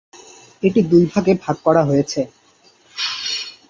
এটি দুই ভাগে ভাগ করা হয়েছেঃ